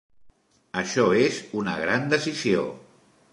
Això és una gran decisió.